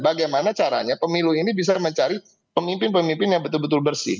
bagaimana caranya pemilu ini bisa mencari pemimpin pemimpin yang betul betul bersih